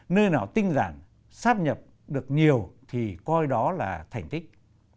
nơi nào tinh giản sắp nhập được nhiều thì coi đó là thành tích